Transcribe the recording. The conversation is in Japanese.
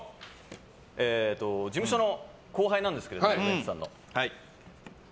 事務所の後輩なんですけどウエンツさんの。